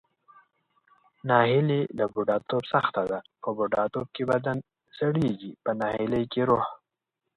ناهیلي له بوډاتوب سخته ده، په بوډاتوب کې بدن زړیږي پۀ ناهیلۍ کې روح.